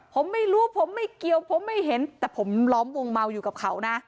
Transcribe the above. ผมไม่รู้ผมไม่เกี่ยวผมไม่เห็นแต่ผมล้อมวงเมาอยู่กับเขานะ